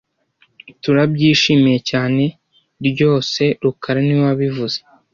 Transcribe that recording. Turabyishimiye cyane ryose rukara niwe wabivuze